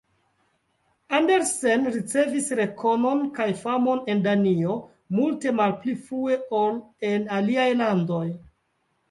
Andersen ricevis rekonon kaj famon en Danio multe malpli frue ol en aliaj landoj.